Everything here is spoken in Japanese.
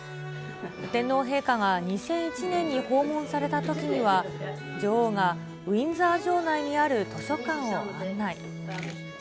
天皇陛下が２００１年に訪問されたときには、女王がウィンザー城内にある図書館を案内。